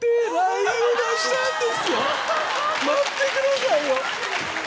待ってくださいよ。